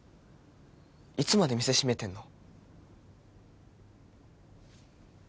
いつまで店閉めてんの？